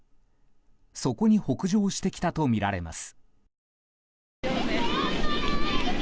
そこに北上してきたとみられます。